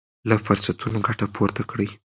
له فرصتونو ګټه پورته کړئ.